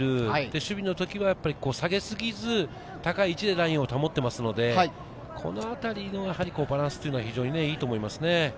守備の時は下げすぎず、高い位置でラインを保っていますので、このあたりのバランスが非常にいいと思いますね。